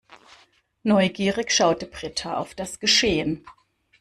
Neugierig schaute Britta auf das Geschehen.